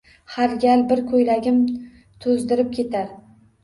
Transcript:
Har gal bir ko‘ylagim to‘zdirib ketar.